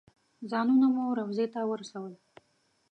ځانونه مو روضې ته ورسول.